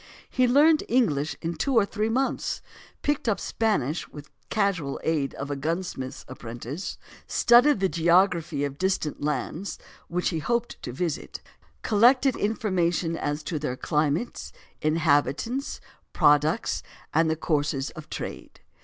He learned English in two or three months; picked up Spanish with the casual aid of a gunsmith's apprentice; studied the geography of the distant lands which he hoped to visit; collected information as to their climates, inhabitants, products, and the courses of trade.